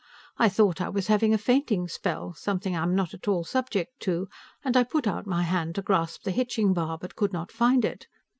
I thought I was having a fainting spell, something I am not at all subject to, and I put out my hand to grasp the hitching bar, but could not find it.